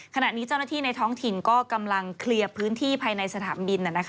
ขณะนี้เจ้าหน้าที่ในท้องถิ่นก็กำลังเคลียร์พื้นที่ภายในสนามบิน